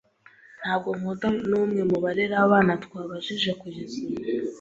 Ntabwo nkunda numwe mubarera abana twabajije kugeza ubu.